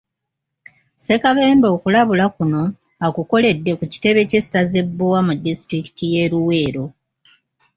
Ssekabembe okulabula kuno akukoledde ku kitebe ky'essaza e Bbowa mu disitulikiti y'e Luweero